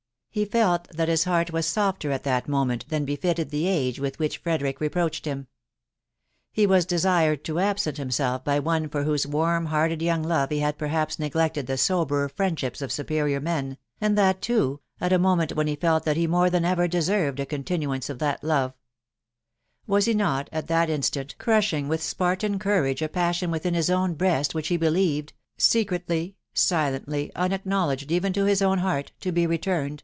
He felt that his heart was softer at that moment than befitted the age with which Frederick reproached him. He was desired to absent himself by one for whose warm hearted young love he had perhaps neglected the soberer friendships of superior men, and that, too, at a moment when he felt that he more than ever deserved a continuance of that love* Wms he not at that instant cruabin^ mVk Snpstect ramsjb m TBS WIDOW BARNABY. $65 passion within his own breast which he believed •... secretly, silently, unacknowledged even to his own heart, to be returned